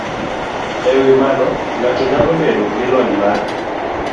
E wi mano, ng'ato nyalo bedo gi lony mar